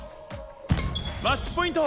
マッチポイント！